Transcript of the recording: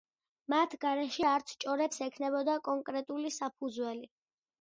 მათ გარეშე, არც ჭორებს ექნებოდა კონკრეტული საფუძველი.